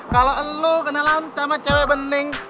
kalau lo kenalan sama cewek bening